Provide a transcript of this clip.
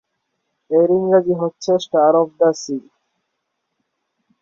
এর ইংরেজি হচ্ছে- 'স্টার অব দ্য সি'।